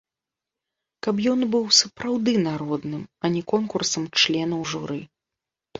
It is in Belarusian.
Каб ён быў сапраўды народным, а не конкурсам членаў журы.